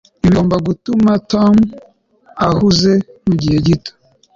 ibi bigomba gutuma tom ahuze mugihe gito